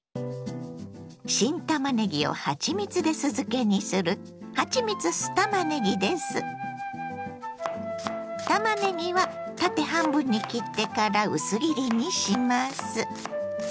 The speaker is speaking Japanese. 新たまねぎをはちみつで酢漬けにするたまねぎは縦半分に切ってから薄切りにします。